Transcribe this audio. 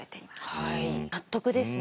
はい納得ですね。